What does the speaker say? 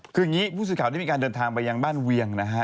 คืออย่างนี้ผู้สื่อข่าวได้มีการเดินทางไปยังบ้านเวียงนะฮะ